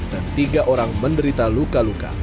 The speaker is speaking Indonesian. dan tiga orang menderita luka luka